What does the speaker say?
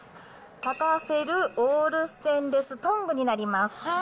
立たせるオールステンレストングになります。